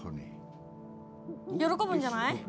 喜ぶんじゃない？